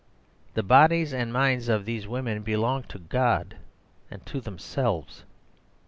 (6) The bodies and minds of these women belong to God and to themselves.